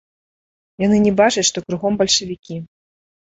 Яны не бачаць, што кругом бальшавікі.